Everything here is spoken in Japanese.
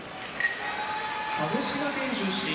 鹿児島県出身